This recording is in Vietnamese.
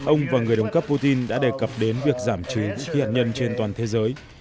ông và người đồng cấp putin đã đề cập đến việc giảm trừ vũ khí hạt nhân trên toàn thế giới